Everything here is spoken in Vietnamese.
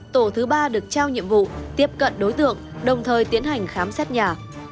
tổ thứ ba được trao nhiệm vụ tiếp cận đối tượng đồng thời tiến hành khám xét nhà